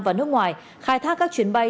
và nước ngoài khai thác các chuyến bay